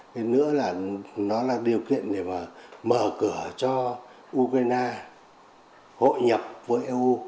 thế nữa là nó là điều kiện để mà mở cửa cho ukraine hội nhập với eu